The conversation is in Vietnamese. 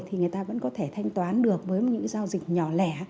thì người ta vẫn có thể thanh toán được với những giao dịch nhỏ lẻ